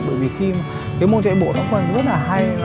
bởi vì khi cái môn chạy bộ nó còn rất là hay